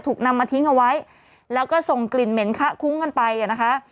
นำมาทิ้งเอาไว้แล้วก็ส่งกลิ่นเหม็นคะคุ้งกันไปอ่ะนะคะ